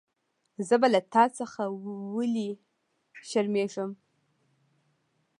زه به له تا څخه ویلي شرمېږم.